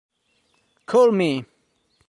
Call Me